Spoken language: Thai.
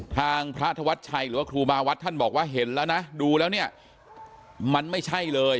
ทางพระธวัชชัยหรือว่าครูบาวัดท่านบอกว่าเห็นแล้วนะดูแล้วเนี่ยมันไม่ใช่เลย